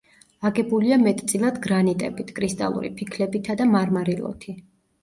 აგებულია მეტწილად გრანიტებით, კრისტალური ფიქლებითა და მარმარილოთი.